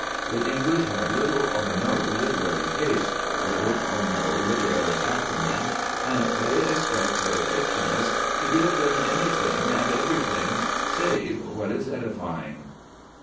The English have little or no literary taste, little or no literary acumen, and they expect their fictionists to give them anything and everything save what is edifying.